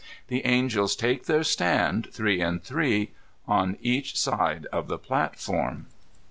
The angels take their stand, three and three, on each side of the platform.